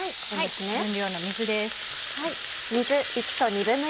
分量の水です。